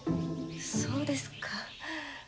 そうですか？